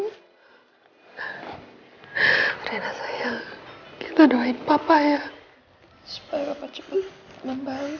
udah enak sayang kita doain papa ya supaya papa cepat nambahin